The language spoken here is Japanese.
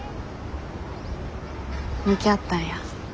向き合ったんや。